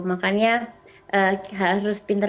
makanya harus pinter